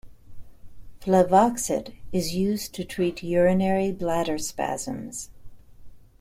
Flavoxate is used to treat urinary bladder spasms.